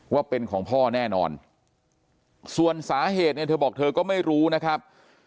ว่าเป็นของพ่อแน่นอนส่วนสาเหตุเนี่ยเธอบอกเธอก็ไม่รู้นะครับ